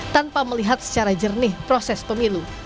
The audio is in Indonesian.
tanpa melihat secara jernih proses pemilu